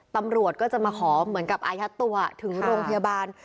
ตำรวจก็จะมาขอเหมือนกับอายัดตัวถึงโรงพยาบาล